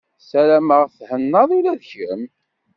Sarameɣ thennaḍ ula d kemm.